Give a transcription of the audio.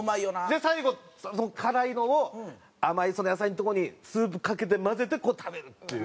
で最後辛いのを甘いその野菜のとこにスープかけて混ぜてこう食べるっていう。